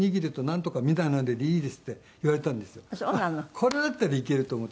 これだったらいけると思って。